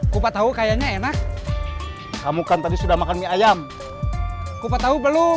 kupat tahu kayaknya enak kamu kan tadi sudah makan mie ayam kupat tahu belum